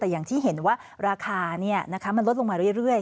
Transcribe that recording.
แต่อย่างที่เห็นว่าราคามันลดลงมาเรื่อย